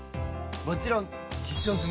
もちろん実証済！